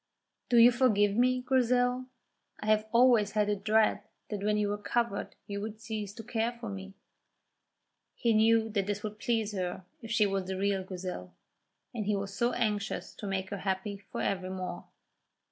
"Do you forgive me, Grizel? I have always had a dread that when you recovered you would cease to care for me." He knew that this would please her if she was the real Grizel, and he was so anxious to make her happy for evermore.